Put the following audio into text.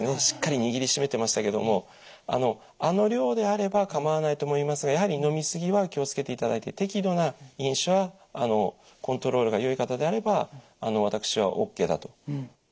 しっかり握りしめてましたけどもあの量であれば構わないと思いますがやはり飲み過ぎは気を付けていただいて適度な飲酒はコントロールがよい方であれば私はＯＫだと。